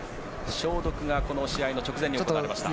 消毒がこの試合の直前に行われました。